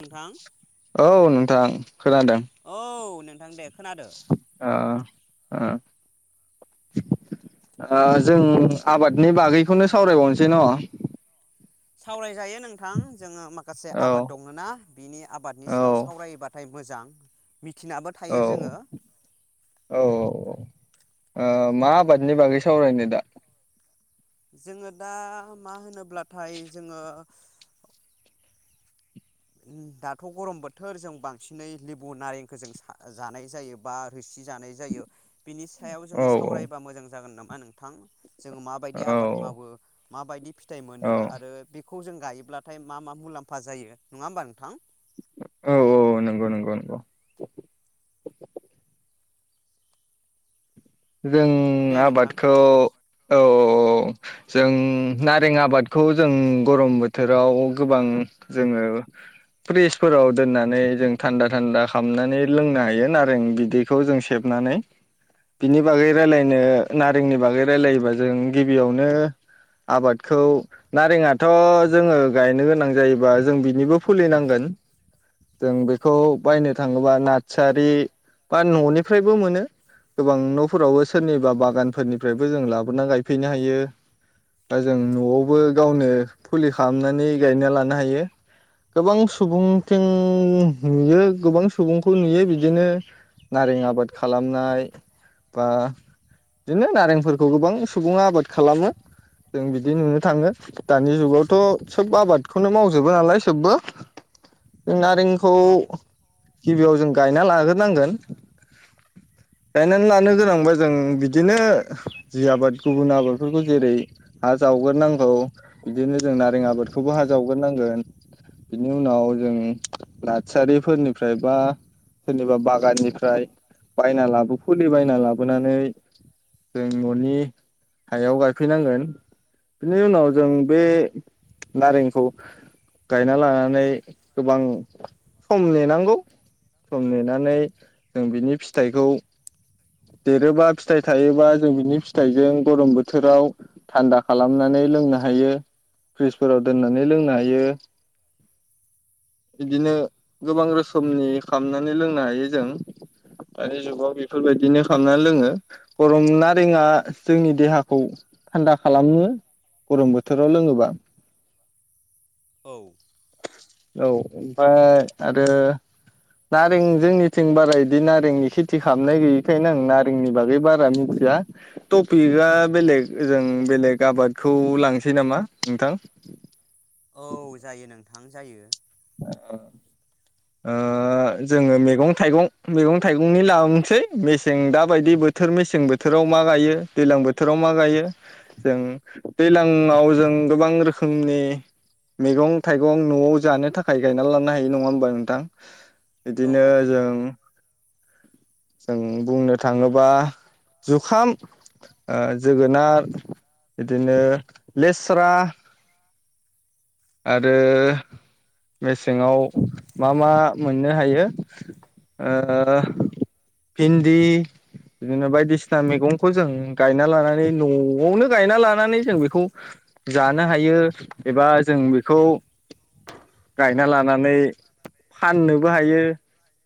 नोंथां औ नोंथां खोनादों औ नोंथां दे खोनादो ओ जों आबादनि बागैखौनो सावरायबावनोसै न सावरायजायो नोंथां जोङो म माखासे औ आबाद दङ ना बिनि आबादनि सायाव औ सावरायबाथाय मोजां मिथिनाबो थायो औ जोङो औ मा आबादनि बागै सावरायनो दा जोङो दा मा होनो अब्लाथाय जोङो दाथ गरम बोथोर जों बांसिनै लेबु नारेंखौ जों जानाय जायो बा रोसि जानाय जायो बिनि सायाव औ जोङो औ सावरायबा मोजां जागोन नामा? मा नोंथां जोङो माबायदि आबाद मावो माबायदि फि फिथाइ औ मोनो आरो बेखौ खौ जों गायोब्लाथाय मा मा मुलाम्फा जायो नङा होमबा नोंथां? औ औ नंग नंगौ नंगौ जों दे नोंथां आबादखौ औ औ जों नारें आबादखौ जों गरम बोथोराव गोबां जोङो फ्रिसफोराव दोननानै जों थान्दा थान्दा खामनानै लोंनो हायो नारें बिदैखौ जों सेबनानै बिनि बागै रायलायनो नारेंनि बागै रायलायोबा जों गिबियावनो आबादखौ नारेङाथ जोङो गायनो गोनां जायोबा जों बिनिबो फुलिनांगोन जों बेखौ बायनो थाङोबा नार्सारि बा ननिफ्रायबो मोनो गोबां नफोरावबो सोरनिबा बागानफोरनिफ्रायबो जों लाबोनानै गायफैनो हायो दा जों नआवबो गावनो फुलि खालामनानै गायना लानो हायो गोबां सुबुंथिं नुयो गोबां सुबुंखौ नुयो बिदिनो नारें आबाद खालामनाय बा बिदिनो नारेंफोरखौ गोबां सुबुङा आबाद खालामो जों बिदि नुनो थाङो दानि जुगावथ सोबबो आबादखौनो मावजोबो नालाय सोबबो जों नारेंखौ औ गिबियाव जों गायना लाग्रोनांगोन गायनानै लानो गोनांबा जों बिदिनो जि आबाद गुबुन आबादफोरखौ जेरै हा जावग्रोनांगौ बिदिनो जों नारें आबादखौबो हा जावग्रोनांगोन बिनि उनाव जों नसारिफोरनिफ्राय बा सोरनिबा बागाननिफ्राय बायना लाबो फुलि बायना लाबोनानै जों ननि हायाव गायफैनांगोन बिनि उनाव जों बे नारेंखौ गायना लानानै गोबां सम नेनांगौ सम नेनानै जों बिनि फिथाइखौ देरोबा फिथाइ थायोबा जों बिनि फिथाइजों गरम बोथोराव थान्दा खालामनानै लोंनो हायो फ्रिजफोराव दोननानै लोंनो हायो बिदिनो गोबां रोखोमनि खालामनानै लोंनो हायो जों दानि जुगाव बे बेफोरबायदिनो खालामना लोङो गरम नारेंआ जोंनि देहाखौ थान्दा खालामो गरम बोथोराव लोङोबा औ औ ओमफाय आरो नारें जोंनिथिं बारा बिदि नारेंनि खेथि खालामनाय गैयिखायनो आं नारेंनि बागै बारा मिथिया टपिकआ बेलेग जों बेलेग आबादखौ लांसै नामा नोंथां औ जायो नों थां जायो ओ जोङो मैगं थाइगं मैगं थाइगंनि लाबोनोसै मेसें दाबायदि बोथोर मेसें बोथोराव मा गायो दैज्लां बोथोराव मा गायो जों दैज्लाङाव जों गोबां रोखोमनि मैगं थाइगं नआव जानो थाखाय खाय गायनानै लानो हायो नङा होमबा नोंथां औ बिदिनो औ हायो जों जों बुंनो थाङोबा जुखाम जोगोनार बिदिनो लेस्रा आरो मेसेङाव मा मा मोननो हायो ओ भिन्दि बिदिनो बायदिसिना मैगंखौ जों गायना लानानै नआवनो गायना लानानै जों बेखौ जानो हायो एबा जों बेखौ गायना लानानै फाननोबो हायो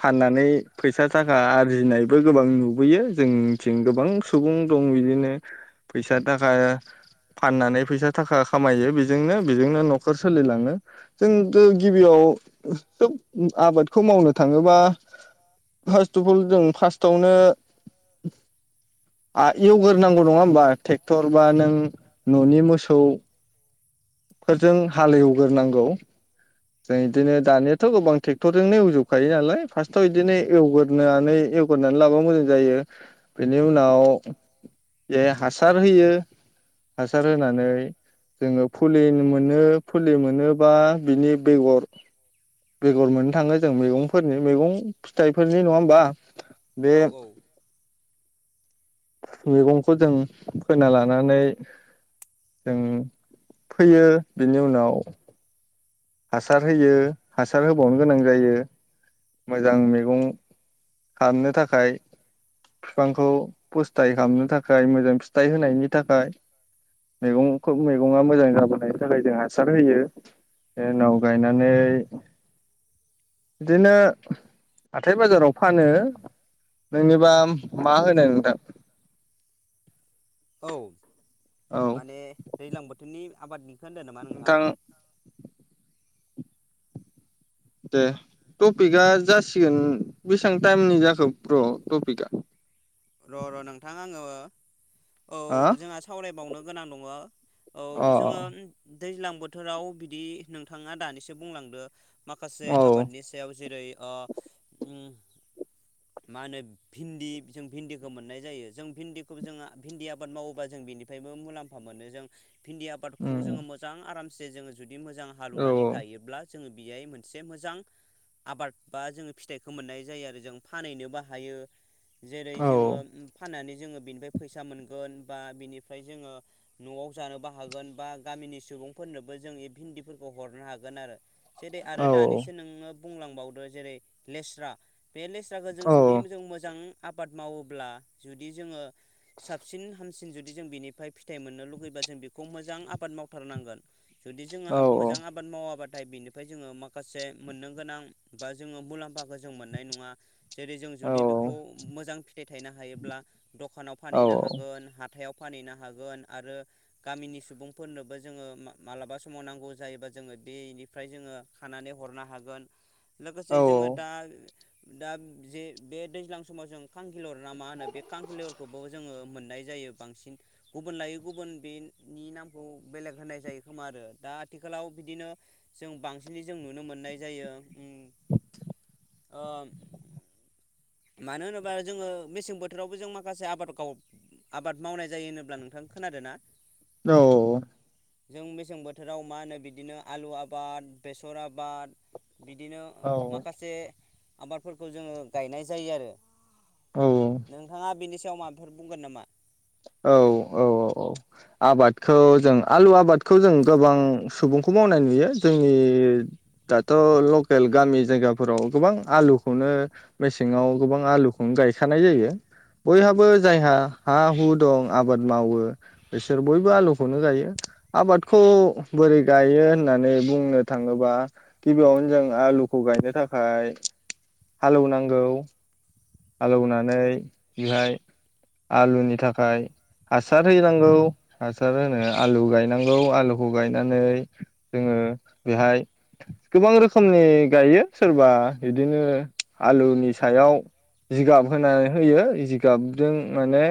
फाननानै फैसा थाखा आरजिनायबो गोबां नुबोयो जोंथिं गोबां सुबुं दं बिदिनो फैसा थाखा फाननानै फैसा थाखा खामायो बेजोंनो बेजोंनो नखर सोलिलाङो जों गिबियाव सोब आबादखौ मावनो थाङोबा फार्स्ट अफ अल जों फार्स्टआवनो एवग्रोनांगौ नङा होमबा टेक्टर बा नों न'नि मोसौ फोरजों हालेवग्रोनांगौ जों बिदिनो दानि गोबां टेक्टरजोंनो एवजोबखायो नालाय फार्स्टआवदि बिदिनो एवगोरानै एवगोरनानै लाबा मोजां जायो बेनि उनाव जे हासार होयो हासार होनानै जोङो फुलि मोनो फुलि मोनोबा बिनि बेगर बेगर मोननो थाङो जों मैगंफोरनि मैगं फिथाइफोरनि नङा होमबा बे औ औ मैगंखौ जों फोना लानानै जों फोयो बेनि उनाव हासार होयो हासार होबावनो गोनां जायो मोजां मैगं खालामनो थाखाय फिफांखौ फस्थाय खालामनो थाखाय मोजां फिथाइ होनायनि थाखाय मैगंखौ मैगङा मोजां जाबोनायनि थाखाय जों हासार होयो जे उनाव गायनानै बिदिनो हाथाय बाजाराव फानो नोंनोबा मा होनो नोंथां औ औ माने दैज्लां बोथोरनि आबाद होनदो नामा नोंथां दे टपिकआ जासिगोन बेसेबां टाइमनि जाखो ब्र टपिकआ र र नोंथां आङो औ अ जोंहा सावरायबावनो, गोनां दङ औ अ जोङो दैज्लां बोथोराव बिदि नोंथाङा दानिसो बुंलांदो, माखासे औ आबादनि सायाव जेरै ओ उम मा होनो भिन्दि जों भिन्दिखौ मोननाय जायो जों भिन्दिखौ जोंहा भिन्दि आबाद मावोबा जों बिनिफ्रायबो मुलाम्फा मोनो जों भिन्दि आबादखौ उम जोङो मोजां आराम, से जोङो जुदि बिदि मोजां औ हालेवनानै गायोब्ला जोङो बेहाय मोनसे मोजां आबाद बा जों फिथाइखौ मोननाय जायो आरो जों फानहैनोबो हायो जेरै औ जोङो फाननानै जोङो बिनिफ्राय फैसा मोनगोन बा बिनिफ्राय जोङो न'आव जानोबो हागोन बा गामिनि सुबुंफोरनोबो जों भिन्दिफोरखौ हरनो हागोन आरो जेरै औ आरो दानिसो नोङो, बुंलांबावदो जेरै लेस्रा बे लेस्राखौ जों औ जुदि जों मोजां, आबाद मावोब्ला जुदि जोङो साबसिन हाम बांसिन जुदि जों बिनिफ्राय फिथाइ मोननो लुुबैबा जों बेखौ मोजां आबाद मावथारनांगोन, जुदि जोङो औ आबाद मोजां आबाद मावाबा नाथाय बिनिफ्राय जोङो माखासे मोननो गोनां बा जोङो मुलाम्फाखौ जों मोननाय नङा जेरै जों औ जुदि बेखौ मोजां फिथाय थायनो हायोब्ला द'खानाव औ फानहैनो हागोन हाथ हाथाइयाव फानहैनो हागोन आरो गामिनि सुबुंफोरनोबो जोङो मालाबा समाव नांगौ जायोबा जोङो बेनिफ्राय जोङो खानानै हरनो हागोन, लोगोसे जोङो दा दा जे बे दैज्लां समाव जों कांखिलरा मा होनो बे कांखिलरखौबो जोङो, मोननाय जायो बांसिन गुबुन लायै गुबुन बेनि नामखौ बेलेग होननाय जायो खोमा आरो दा आथिखालाव बिदिनो जों बांसिनै जों नुनो मोननाय जायो ओम ओ मानो होनो बा जोङो मेसें बोथोरावबो जों माखासे आबाद गाव आबाद मावनाय जायो होनोब्ला नोंथां खोनादों ना? औ औ औ जों मेसें बोथोराव मा होनो बिदिनो आलु आबाद बेसर आबाद बिदिनो औ माखासे आबादफोरखौ जोङो गायनाय जायो आरो औ नोंथाङा बेनि सो याव माबाफोर बुंगोन नामा? औ औ औ आबादखौ जों आलु आबादखौ जों गोबां सुबुंखौ मावनाय नुयो। जोंनि दाथ' लकेल गामि जायगाफोराव गोबां आलुखौनो मेसेङाव गोबां आलुखौनो गायखानाय जायो। बयहाबो जायहा हा हु दं। आबाद मावो बिसोर बयबो आलुखौनो गायो। आबादखौ बोरै गायो होननानै बुंनो थाङोबा गिबियावनो जों आलुखौ गायनो थाखाय हालौनांगौ हालौनानै बेहाय आलुनि था खाय हासार होनांगौ हासार होनो आलु गायनांगौ आलुखौ गायनानै जोङो बेहाय गोबां रोखोमनि गायो सोरबा बिदिनो आलुनि सायाव जिगाब होनानै होयो जिगाबजों माने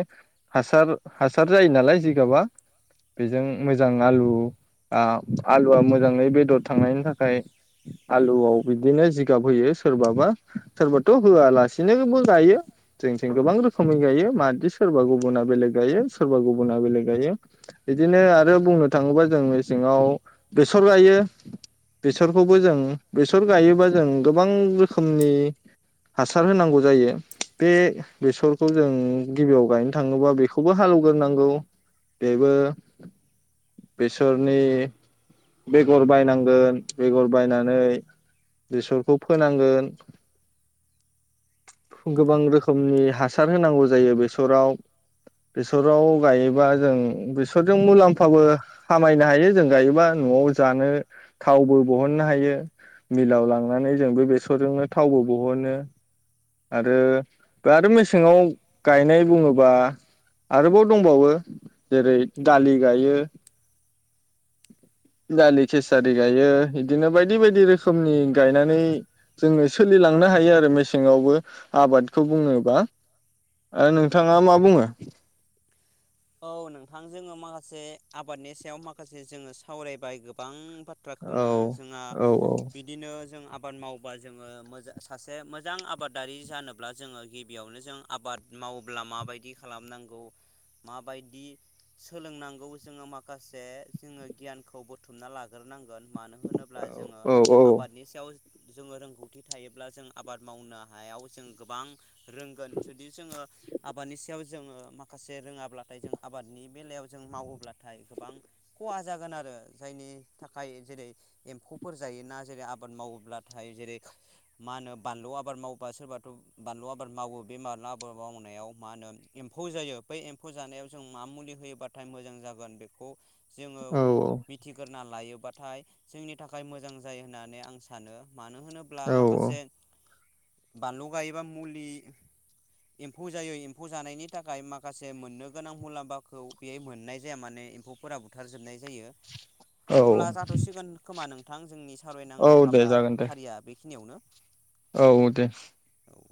हासार हासार जायो नालाय जिगाबा बेजों मोजां आलु आ आलुआ मोजाङै बेदर थांनायनि थाखाय आलुआव बिदिनो जिगाब होयो सोरबाबा सोरबाथ'होआलासिनोबो गायो जोंथिं गोबां रोखोमै गायो मादि सोरबा गुबुना बेलेग गायो सोरबा गुबुना बेलेग गायो बिदिनो आरो बुंनो थाङोबा जों मेसेङाव बेसर गायो बेसरखौबो जों बेसर गायोबा जों गोबां रोखोमनि हासार होनांगौ जायो बे बेसरखौ जों गिबियाव गायनो थाङोबा बेखौबो हालौग्रोनांगौ बेबो बेसरनि बेगर बायनांगोन बेगर बायनानै बेसरखौ फोनांगोन गोबां रोखोमनि हासार होनांगौ जायो बेसराव बेसराव गायोबा जों बेसरजों मुलाम्फाबो खामायनो हायो जों गायोबा न'आव जानो थावबो बहननो हायो। मिलाव लांनानै जों बे बेसरजोंनो थावबो बहनो आरो आरो मेसेङाव गायनाय बुङोबा आरोबाव दंबावो जेरै दालि गायो दालि केसारि गायो बिदिनो बायदि बायदि रोखोमनि गायनानै जोङो सोलिलांनो हायो आरो मेसेङावबो आबादखौ बुङोबा आरो नोंथाङा मा बुङो? [inaudible] औ नोंथां जोङो माखासे आबादनि सायाव माखासे जोङो सावरायबाय गोबां औ बाथ्राखौनो जोंहा औ बिदिनो जों आब आबाद मावोबा जोङो मोजा-सासे मोजां आबादारि जानोब्ला जोङो गिबियावनो जों आबाद मावब्ला माबायदि खालामनांगौ माबायदि सोलोंनांगौ जोङो माखासे जोङो गियानखौ बुथुमना लाग्रोनां गोन मानो होनोब्ला जोङो औ आबादनि सायाव जोङो रोंगौथि थायोब्ला जों आबाद मावनो हायाव जों गोबां रोंगोन जुदि जोङो आबादनि सायाव जोंङो माखासे रोङाब अब्लाथाय जों आबादनि बेलायाव जों मावोब्लाथाय गोबां खहा जागोन आरो जायनि थाखाय जेरै एम्फौफोर जायोना जेरै आबाद मावोब्लाथाय जेरै मा होनो बानलु आबाद मावोबा सोरबाथ' बानलु आबाद मावो बे बानलु आबाद मावनायाव मा होनो एम्फौ जायो बै एम फोजानायाव जों मा मुलि होयोबाथाय मोजां जागोन बेखौ औ जोङोव मिथिगोल ना लायोबाथाय जोंनि थाखाय मोजां जायो होननानै आं सानो। मानो होनोब्ला औ माखासे बानलु गायोबा मुलि एम्फौ जायो एम्फौ जानायनि थाखाय माखासे जे मोननो गोनां मुलाम्फाखौ बे मोननाय जाया माने एम्फौफोरा बुथारजोबनाय जायो। औ अब्ला जाथसिगोन खोमा नों बिथां जोंनि औ सावरायनांगौ दे हाबा जागोन दे फारिया बेखिनियावनो। औ दे। औ